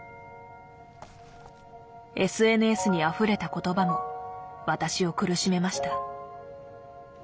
ＳＮＳにあふれた言葉も私を苦しめました。